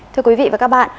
thưa quý vị và các bạn